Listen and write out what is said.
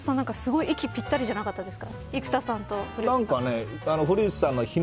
すごい息ぴったりじゃなかったですか。